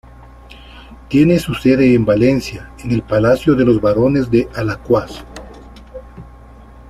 Tiene su sede en Valencia, en el palacio de los Barones de Alacuás.